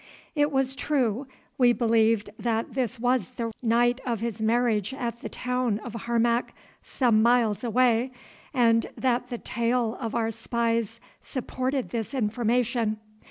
It was true we believed that this was the night of his marriage at the town of Harmac, some miles away, and that the tale of our spies supported this information.